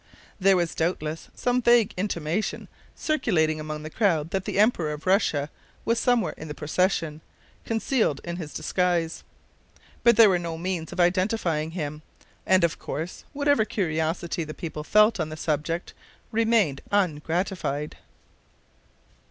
There was doubtless some vague intimation circulating among the crowd that the Emperor of Russia was somewhere in the procession, concealed in his disguise. But there were no means of identifying him, and, of course, whatever curiosity the people felt on the subject remained ungratified.